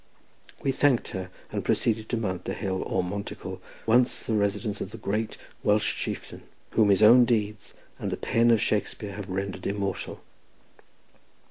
We thanked her, and proceeded to mount the hill, or monticle, once the residence of the great Welsh chieftain, whom his own deeds and the pen of Shakespear have rendered immortal.